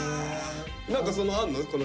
何かそのあんの？